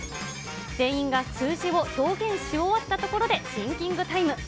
全員が数字を表現し終わったところで、シンキングタイム。